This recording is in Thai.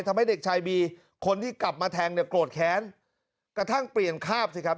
ทำให้เด็กชายบีคนที่กลับมาแทงเนี่ยโกรธแค้นกระทั่งเปลี่ยนคาบสิครับ